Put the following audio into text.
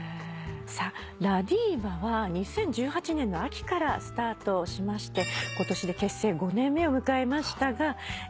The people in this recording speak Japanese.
ＬＡＤＩＶＡは２０１８年の秋からスタートしまして今年で結成５年目を迎えましたがいかがですか？